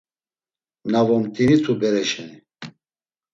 Na vomt̆initu bere şeni.